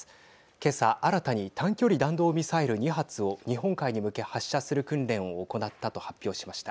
今朝、新たに短距離弾道ミサイル２発を日本海に向け発射する訓練を行ったと発表しました。